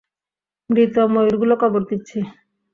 মৃত ময়ূরগুলো কবর দিচ্ছি।